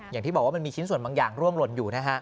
อย่างที่บอกว่ามันมีชิ้นส่วนบางอย่างร่วงหล่นอยู่นะฮะ